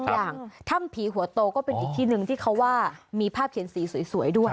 อย่างถ้ำผีหัวโตก็เป็นอีกที่หนึ่งที่เขาว่ามีภาพเขียนสีสวยด้วย